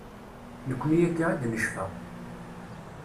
Nekni akka i d-necfa.